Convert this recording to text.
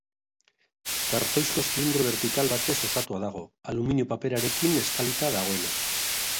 Kartoizko zilindro bertikal batez osatua dago, aluminio paperarekin estalita dagoena.